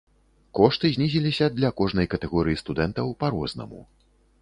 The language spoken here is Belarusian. Кошты знізіліся для кожнай катэгорыі студэнтаў па-рознаму.